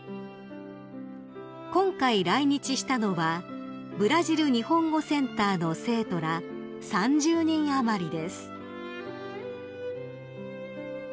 ［今回来日したのはブラジル日本語センターの生徒ら３０人余りです］